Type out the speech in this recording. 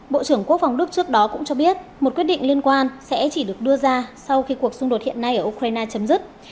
bộ trưởng quốc phòng đức trước đó cũng cho biết một quyết định liên quan sẽ chỉ được đưa ra sau khi cuộc xung đột hiện nay ở ukraine chấm dứt